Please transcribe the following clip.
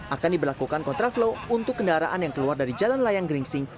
akan diberlakukan kontraflow untuk kendaraan yang keluar dari jalan layang gringsing